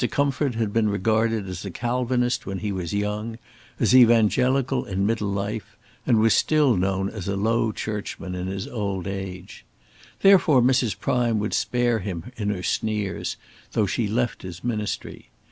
Comfort had been regarded as a Calvinist when he was young, as Evangelical in middle life, and was still known as a Low Churchman in his old age. Therefore Mrs. Prime would spare him in her sneers, though she left his ministry.